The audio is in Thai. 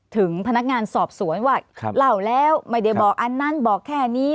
ถึงพนักงานสอบสวนว่าเล่าแล้วไม่ได้บอกอันนั้นบอกแค่นี้